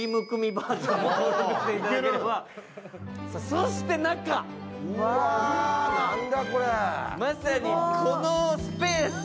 そして中、まさにこのスペース。